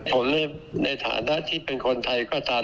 ผมในฐานะที่เป็นคนไทยก็ตาม